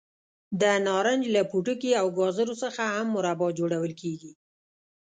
د نارنج له پوټکي او ګازرو څخه هم مربا جوړول کېږي.